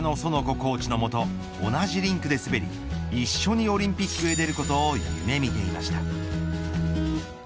コーチの下同じリンクで滑り一緒にオリンピックへ出ることを夢見ていました。